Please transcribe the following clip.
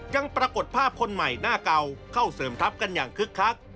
ยังปรากฏภาพคนใหม่หน้าเก่าเข้าเสริมทัพกันอย่างคึกคัก